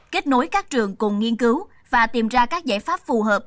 kết nối các trường cùng nghiên cứu và tìm ra các giải pháp phù hợp